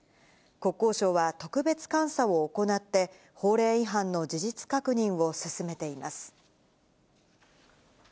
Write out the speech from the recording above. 国交省は、特別監査を行って、法令違反の事実確認を進めています。